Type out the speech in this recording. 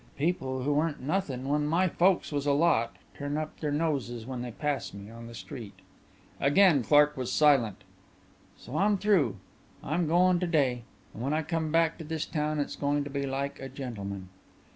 People who weren't nothin' when my folks was a lot turn up their noses when they pass me on the street." Again Clark was silent. "So I'm through, I'm goin' to day. And when I come back to this town it's going to be like a gentleman."